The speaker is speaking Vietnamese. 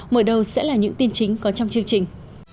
mở đầu sẽ là những tin chính có trong chương trình